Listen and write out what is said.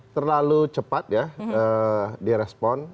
terlalu cepat ya direspon